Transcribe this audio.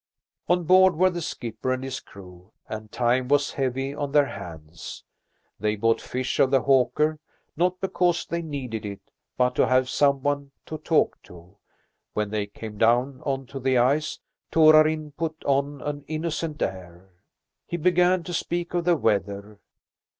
On board were the skipper and his crew, and time was heavy on their hands. They bought fish of the hawker, not because they needed it, but to have someone to talk to. When they came down on to the ice, Torarin put on an innocent air. He began to speak of the weather.